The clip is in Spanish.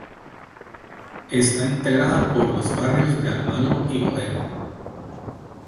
Está integrada por los barrios de Almagro y Boedo.